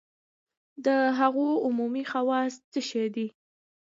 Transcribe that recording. د هغو عمومي خواص څه شی دي؟